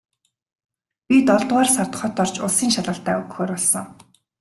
Би долоодугаар сард хот орж улсын шалгалтаа өгөхөөр болсон.